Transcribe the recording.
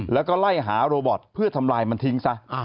แล้วก็ไล่หาโรบอตเพื่อทำลายมันทิ้งซะ